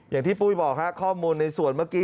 อย่างที่ปุ้ยบอกค่ะข้อมูลในส่วนเมื่อกี้